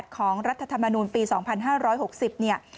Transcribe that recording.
๒๖๘ของรรฐธมนุมปี๒๕๖๐